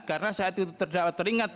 karena saat itu terdakwa teringat